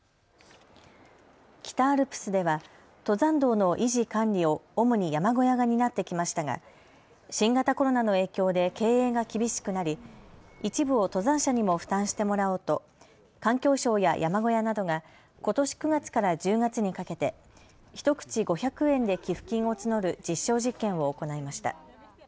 北アルプスでは登山道の維持・管理を主に山小屋が担ってきましたが新型コロナの影響で経営が厳しくなり一部を登山者にも負担してもらおうと環境省や山小屋などがことし９月から１０月にかけて１口５００円で寄付金を募る実証実験を行いました。